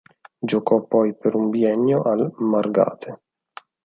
Giocò poi per un biennio al Margate.